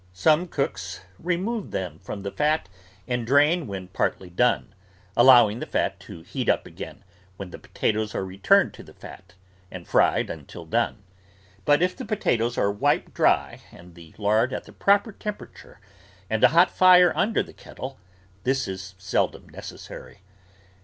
Some cooks re move them from the fat and drain when partly done, allowing the fat to heat up again when the potatoes are returned to the fat and fried until done, but if the potatoes are wiped dry and the lard at the proper temperature and a hot fire under the kettle, this is seldom necessary.